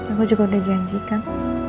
aku juga udah janjikan